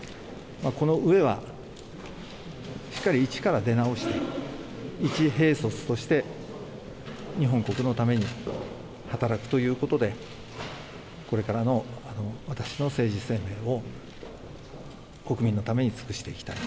このうえはしっかり一から出直して一兵卒として、日本国のために働くということでこれからの私の政治生命を国民のために尽くしていきたい